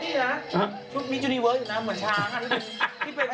ชุดนี้นะชุดมีชุดนี้เวิร์คอยู่น่ะเหมือนช้างอ่ะ